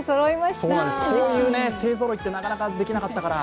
こういう勢ぞろい、なかなかできなかったから。